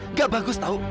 nggak bagus tahu